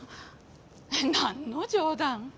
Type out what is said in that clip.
何の冗談？